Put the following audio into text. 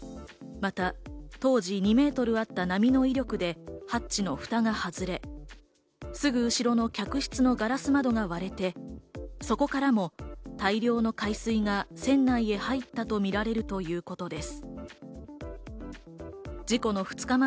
また、当時２メートルあった波の威力でハッチの蓋が外れ、すぐ後ろの客室のガラス窓が割れて、そこからも大量の海水が船内に入ったとみられるということです。